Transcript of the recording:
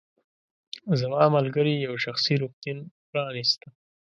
زما ملګرې یو شخصي روغتون پرانیسته.